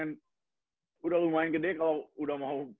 jadi untuk saya tidak penting sekali bahwa saya mulai dengan lambat